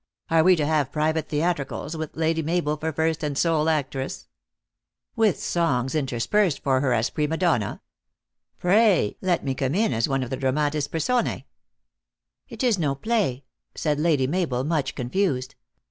Are we to have private theatricals, with Lady Mabel for first and sole actress ? With songs interspersed for her as pri ma donna f Pray let me come in as one of the dram atis person" "It is no play !" said Lady Mabel, much confused.